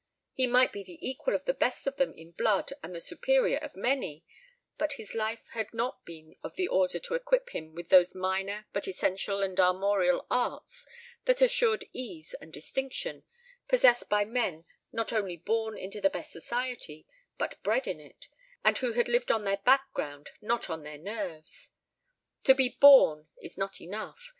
He might be the equal of the best of them in blood and the superior of many, but his life had not been of the order to equip him with those minor but essential and armorial arts, that assured ease and distinction, possessed by men not only born into the best society but bred in it, and who had lived on their background, not on their nerves. To be "born" is not enough.